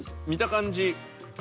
見た感じ